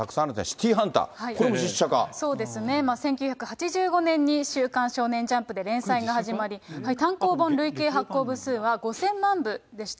シティーハンター、そうですね、１９８５年に週刊少年ジャンプで連載が始まり、単行本累計発行部数は５０００万部でした。